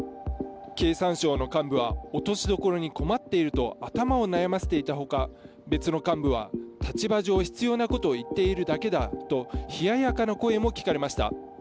経産省の幹部は落としどころに困っていると頭を悩ませたほか、別の幹部は、立場上、必要なことを言っているだけだと冷ややかな声も聞かれました。